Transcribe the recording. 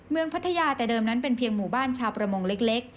พัทยาแต่เดิมนั้นเป็นเพียงหมู่บ้านชาวประมงเล็ก